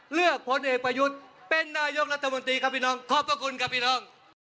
ผลเอกประยุทธ์เป็นนายกรัฐมนตรีครับพี่น้องขอบพระคุณครับพี่น้อง